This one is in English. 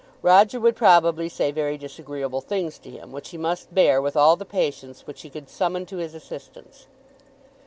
Roger would probably say very disagreeable things to him, which he must bear with all the patience which he could summon to his assistance.